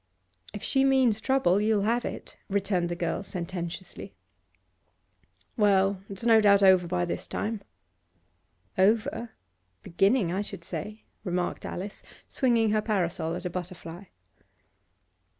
'If she means trouble, you'll have it,' returned the girl sententiously. 'Well, it's no doubt over by this time.' 'Over? Beginning, I should say,' remarked Alice, swinging her parasol at a butterfly.